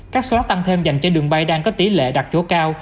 các start tăng thêm dành cho đường bay đang có tỷ lệ đặt chỗ cao